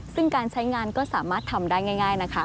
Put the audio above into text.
ซึ่งการใช้งานก็สามารถทำได้ง่ายนะคะ